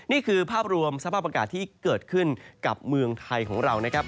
นี่คือภาพรวมสภาพอากาศที่เกิดขึ้นกับเมืองไทยของเรานะครับ